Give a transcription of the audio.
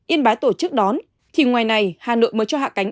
yên bái tổ chức đón thì ngoài này hà nội mới cho hạ cánh